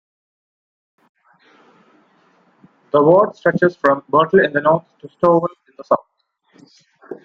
The ward stretches from Burtle in the north to Stawell in the south.